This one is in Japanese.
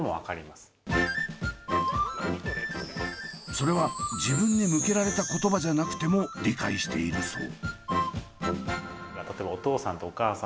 それは自分に向けられた言葉じゃなくても理解しているそう。